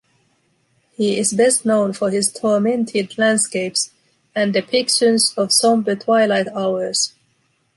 He is best known for his tormented landscapes and depictions of somber twilight hours.